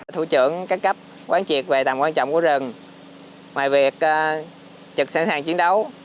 thủ trưởng các cấp quán triệt về tầm quan trọng của rừng ngoài việc trực sẵn sàng chiến đấu